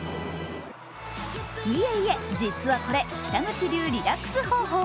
いえいえ、実はこれ、北口流リラックス方法。